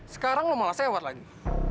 sekarang lo malah sewa lagi